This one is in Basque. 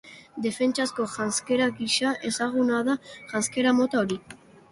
Defentsazko janzkera gisa ezaguna da janzkera mota hori.